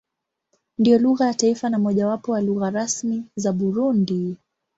Ndiyo lugha ya taifa na mojawapo ya lugha rasmi za Burundi.